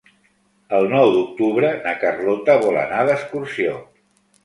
El nou d'octubre na Carlota vol anar d'excursió.